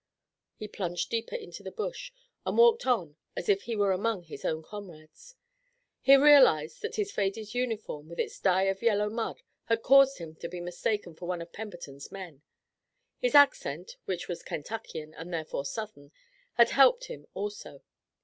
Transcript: He plunged deeper into the bush and walked on as if he were among his own comrades. He realized that his faded uniform with its dye of yellow mud had caused him to be mistaken for one of Pemberton's men. His accent, which was Kentuckian and therefore Southern, had helped him also.